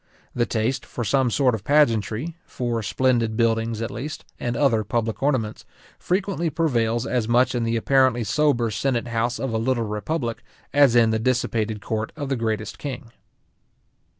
The taste for some sort of pageantry, for splendid buildings, at least, and other public ornaments, frequently prevails as much in the apparently sober senate house of a little republic, as in the dissipated court of the greatest king.